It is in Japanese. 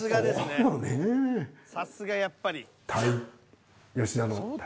さすがやっぱり。